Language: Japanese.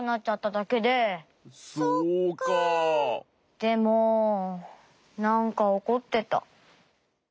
でもなんかおこってた。